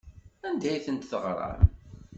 Anda ay tent-teɣram?